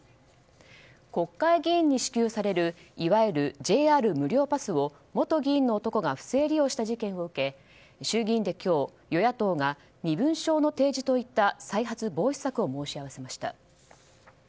国会議員に支給されるいわゆるＪＲ無料パスを元議員の男が不正利用した事件を受け衆議院で今日、与野党が身分証の提示といった再発防止策を申し合わせました。